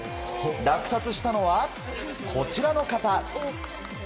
落札したのは、こちらの方。